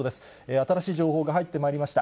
新しい情報が入ってまいりました。